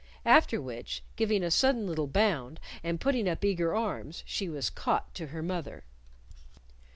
After which, giving a sudden little bound, and putting up eager arms, she was caught to her mother.